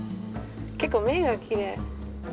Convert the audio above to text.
結構目がきれい。